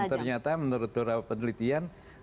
ternyata menurut beberapa penelitian